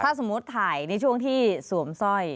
ถ้าสมมุติถ่ายในช่วงที่สวมสร้อย